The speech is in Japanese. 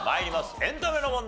エンタメの問題。